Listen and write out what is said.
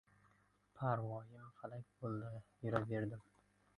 Par voyim falak bo‘ldi, yura berdim.